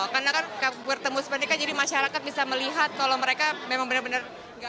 karena kan bertemu sepandika jadi masyarakat bisa melihat kalau mereka memang benar benar